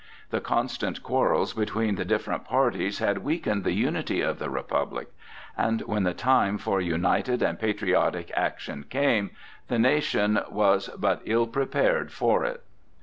The constant quarrels between the different parties had weakened the unity of the Republic, and when the time for united and patriotic action came, the nation was but ill prepared for it.